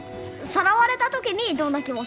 さらわれた時にどんな気持ちだったか。